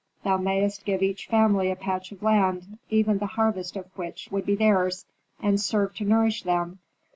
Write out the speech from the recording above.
Thou mayst give each family a patch of land, even the harvest of which would be theirs, and serve to nourish them.